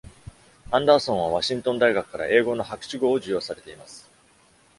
アンダーソンはワシントン大学から英語の博士号を授与されています。